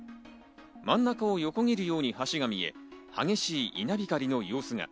真ん中を横切るように橋が見え、激しい稲光の様子が。